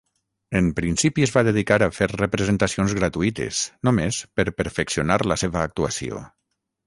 En principi es va dedicar a fer representacions gratuïtes, només per perfeccionar la seva actuació.